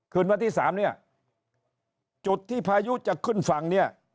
ขึ้นมาที่๓เนี่ยจุดที่พายุจะขึ้นฝั่งเนี่ย